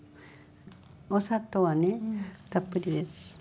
お砂糖はねたっぷりです。